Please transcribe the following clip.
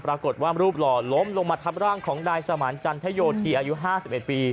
ปรากฏว่ารูปหล่อล้มลงมาทับร่างของนายสมานจันทโยธีอายุ๕๑ปี